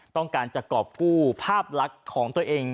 ต้องการจะกรอบกู้ภาพลักษณ์ของตัวเอง